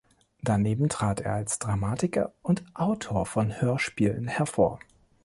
Daneben trat er als Dramatiker und Autor von Hörspielen hervor.